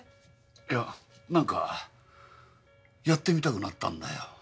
いやなんかやってみたくなったんだよ。